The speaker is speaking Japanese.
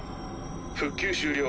復旧終了。